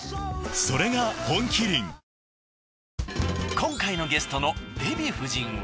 今回のゲストのデヴィ夫人は。